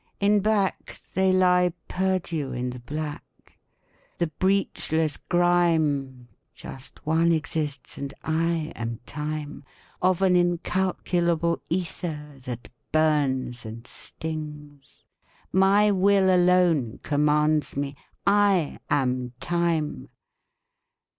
In back, they lie perdu in the black: the breachless grime, (just one exists and I am time) of an incalculable ether that burns and stings . My will alone commands me: I am time!